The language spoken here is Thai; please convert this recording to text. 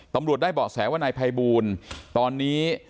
ตำรวจได้เบาะแสว่านายภัยบูลตอนนี้